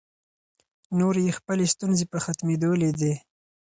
نورې یې خپلې ستونزې په ختمېدو لیدې.